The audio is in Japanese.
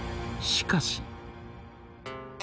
しかし。